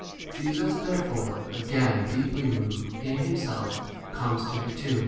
Jesus therefore again deeply moved J in himself comes S ekeivrj.